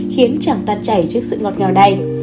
khiến chàng tan chảy trước sự ngọt ngào đầy